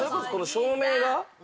照明が？